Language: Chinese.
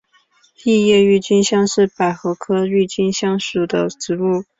异叶郁金香是百合科郁金香属的植物。